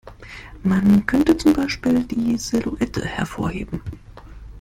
Man könnte zum Beispiel die Silhouette hervorheben.